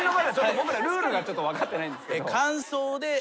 僕らルールが分かってないんですけど。